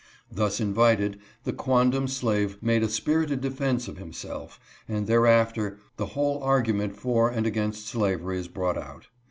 Thus invited, the quondam slave made a spirited defense of himself, and thereafter the whole argument for and against slavery is brought out.